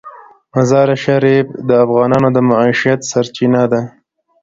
مزارشریف د افغانانو د معیشت سرچینه ده.